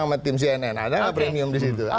sama tim cnn ada nggak premium di situ